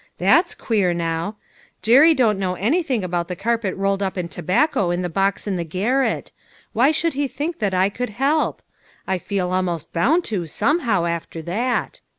That's queer now ! Jerry don't know anything about the carpet rolled up in to bacco in the box in the garret ; why should he think that I could help ? I feel almost bound to, somehow, after that.